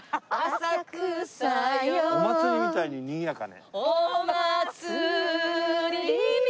「お祭りみたいに賑かね」。